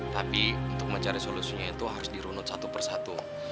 tapi untuk mencari solusinya itu harus dirunut satu persatu